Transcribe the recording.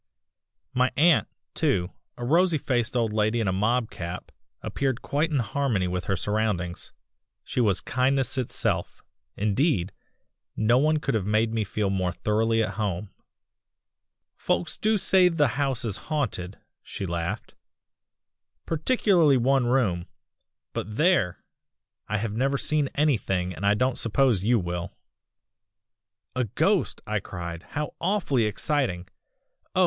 "My aunt, too a rosy faced old lady in a mob cap appeared quite in harmony with her surroundings. She was kindness itself indeed, no one could have made me feel more thoroughly at home. "'Folks do say the house is haunted,' she laughed, 'particularly one room but there! I have never seen anything, and I don't suppose you will.' "'A ghost!' I cried, 'how awfully exciting! oh!